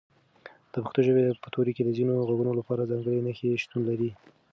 د پښتو ژبې په توري کې د ځینو غږونو لپاره ځانګړي نښې شتون لري.